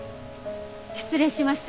失礼しました。